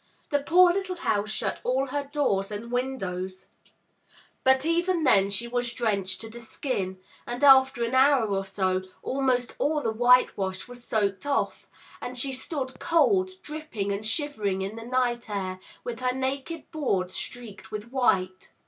The poor little house shut all her doors and windows, but even 65 MY BOOK HOUSE then she was drenched to the skin, and after an hour or so, almost all the whitewash was soaked off, and she stood cold, dripping and shivering in the night air, with her naked boards streaked with white.